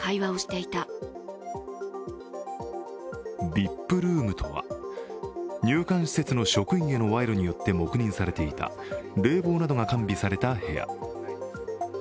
ＶＩＰルームとは、入管施設の職員への賄賂によって黙認されていた冷房などが完備された部屋。